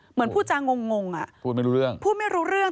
เหมือนพูดจางงงอ่ะพูดไม่รู้เรื่องพูดไม่รู้เรื่อง